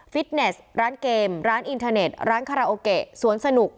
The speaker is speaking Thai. ฟิตเนสร้านเกมร้านอินเทอร์เน็ตร้านคาราโอเกะสวนสนุก